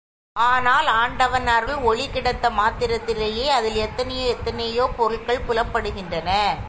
ஆனால் ஆண்டவன் அருள் ஒளி கிடைத்த மாத்திரத்திலே அதில் எத்தனை எத்தனையோ பொருள்கள் புலப்படுகின்றன.